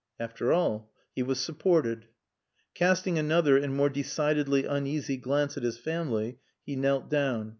'" (After all, he was supported.) Casting another and more decidedly uneasy glance at his family, he knelt down.